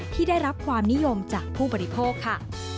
ที่ได้รับความนิยมจากผู้บริโภคค่ะ